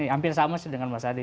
hampir sama sih dengan mas adi